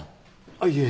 あっいえ。